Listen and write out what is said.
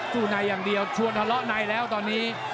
สู้ในอย่างเดียวชวนทะเลาะในแล้วตอนนี้